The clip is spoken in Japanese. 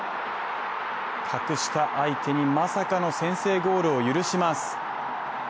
格下相手にまさかの先制ゴールを許します。